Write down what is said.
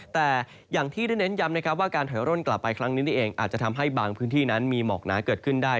แต่อย่างที่ได้เน้นย้ำนะครับว่าการถอยร่นกลับไปครั้งนี้นี่เองอาจจะทำให้บางพื้นที่นั้นมีหมอกหนาเกิดขึ้นได้